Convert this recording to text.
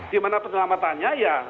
di mana penyelamatannya ya